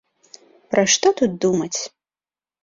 Пра што тут думаць?